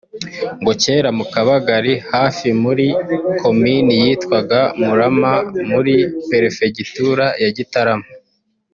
ngo kera mu Kabagali hari muri komini yitwaga Murama muri perefegitura ya Gitarama